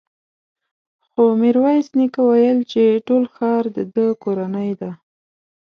خو ميرويس نيکه وويل چې ټول ښار د ده کورنۍ ده.